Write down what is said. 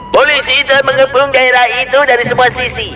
polisi telah mengepung gairah itu dari semua sisi